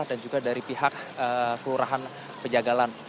dan juga dari pihak kelurahan pejagalan